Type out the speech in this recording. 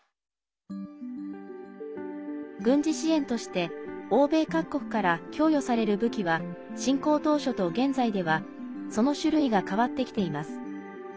軍事支援として欧米各国から供与される武器は侵攻当初と現在ではその種類が変わってきています。